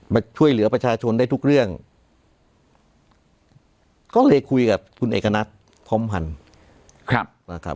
มาช่วยเหลือประชาชนได้ทุกเรื่องก็เลยคุยกับคุณเอกณัฐพร้อมพันธ์ครับนะครับ